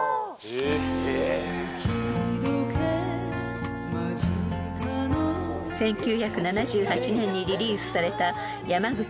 ［１９７８年にリリースされた山口百恵さんの楽曲］